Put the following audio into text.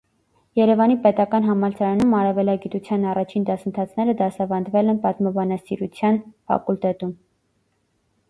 Երևանի պետական համալսարանում արևելագիտության առաջին դասընթացները դասավանդվել են պատմաբանասիրության ֆակուլտետում։